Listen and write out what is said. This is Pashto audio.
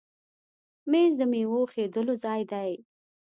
مېز د میوو ایښودلو ځای دی.